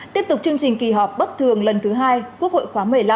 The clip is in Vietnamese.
tiếp tục chương trình kỳ họp bất thường lần thứ hai quốc hội khóa một mươi năm